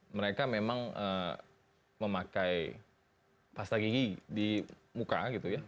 mereka memang memakai pasta gigi di muka gitu ya